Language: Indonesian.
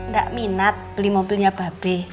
gak minat beli mobilnya mbak be